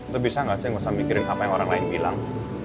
lo bisa gak sih gak usah mikirin apa yang orang lain bilang